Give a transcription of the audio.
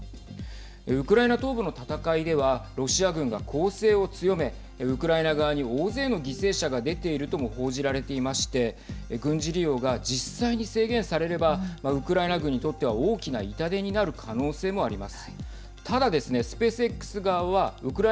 ウクライナ東部の戦いではロシア軍が攻勢を強めウクライナ側に大勢の犠牲者が出ているとも報じられていまして軍事利用が実際に制限されればウクライナ軍にとっては大きな痛手になる可能性もはい。